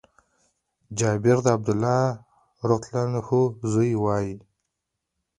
جابر د عبدالله رضي الله عنه زوی وايي :